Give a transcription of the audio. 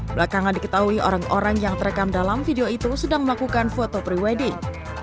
belakangan diketahui orang orang yang terekam dalam video itu sedang melakukan foto pre wedding